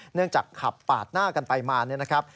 เนื่องจากขับปาดหน้ากันไปมาเนี่ยนะครับ